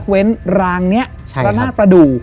ยกเว้นรางนี้ร้านนาดประดูก